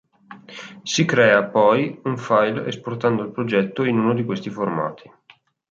Si crea, poi, un file esportando il progetto in uno di questi formati.